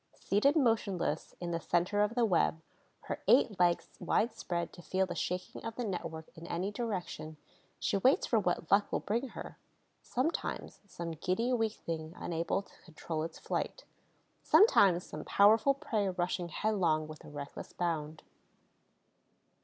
Seated motionless in the center of the web, her eight legs widespread to feel the shaking of the network in any direction, she waits for what luck will bring her: sometimes some giddy weak thing unable to control its flight, sometimes some powerful prey rushing headlong with a reckless bound.